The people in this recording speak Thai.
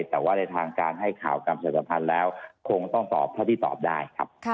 แต่ในทางการให้ข่าการจริงสัมพันธ์แล้วคงต้องตอบพฤติตอบได้ครับ